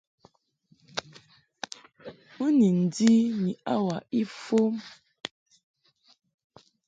Mɨ ni ndi ni hour ifɔm.